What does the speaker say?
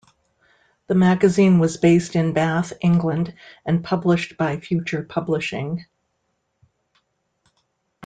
The magazine was based in Bath, England and published by Future Publishing.